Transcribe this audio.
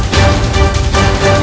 kau akan menang